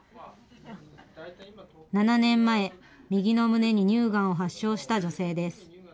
７年前、右の胸に乳がんを発症した女性です。